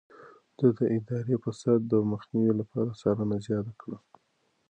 ده د اداري فساد د مخنيوي لپاره څارنه زياته کړه.